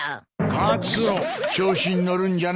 カツオ調子に乗るんじゃないぞ。